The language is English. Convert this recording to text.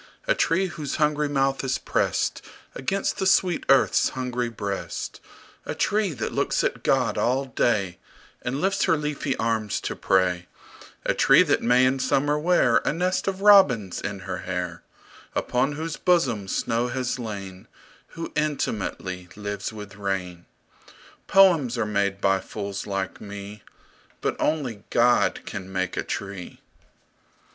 A tree whose hungry mouth is prest Against the sweet earth's hungry breast; A tree that looks at God all day And lifts her leafy arms to pray; A tree that may in summer wear A nest of robins in her hair; Upon whose bosom snow has lain; Who intimately lives with rain. Poems are made by fools like me, But only God can make a tree!